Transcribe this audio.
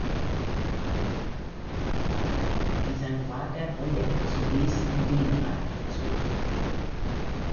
Wie sein Vater wurde er zunächst in Dänemark erzogen.